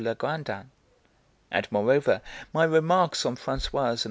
Legrandin (and, moreover, my remarks on Françoise and M.